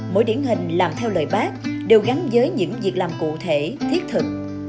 mỗi điển hình làm theo lời bác đều gắn với những việc làm cụ thể thiết thực